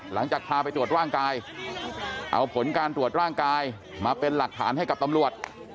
หลังจากพาไปตรวจร่างกายเอาผลการตรวจร่างกายมาเป็นหลักฐานให้กับตำรวจ